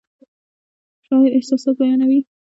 شاعر احساسات بیانوي